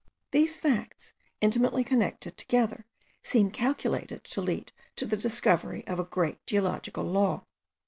These facts, intimately connected together, seem calculated to lead to the discovery of a great geological law.)